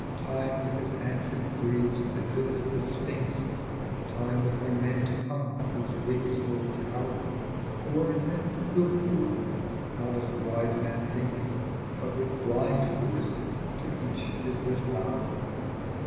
Time with his antique breeds that built the Sphinx, Time with her men to come whose wings will tower, Poured and will pour, not as the wise man thinks, But with blind force, to each his little hour.